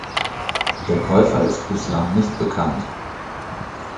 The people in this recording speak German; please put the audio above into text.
Der Käufer ist bislang nicht bekannt.